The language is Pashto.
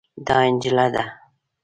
دا نجله ده.